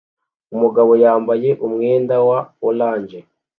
umugabo yambaye umwenda wa orange